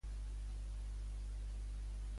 A què es va dedicar Cartoon Studis?